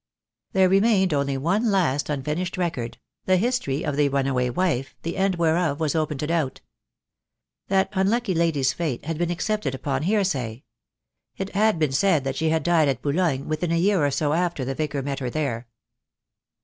There remained only one last unfinished record — the history of the runaway wife, the end whereof was open to doubt. That unlucky lady's fate had been accepted upon hearsay. It had been said that she had died at Boulogne, within a year or so after the Vicar met her there.